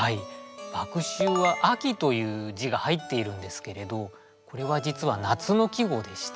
「麦秋」は秋という字が入っているんですけれどこれは実は夏の季語でして。